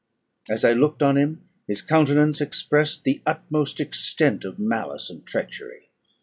As I looked on him, his countenance expressed the utmost extent of malice and treachery.